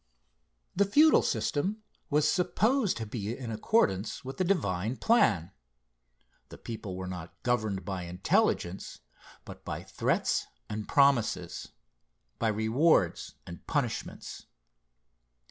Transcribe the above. The Feudal system was supposed to be in accordance with the divine plan. The people were not governed by intelligence, but by threats and promises, by rewards and punishments.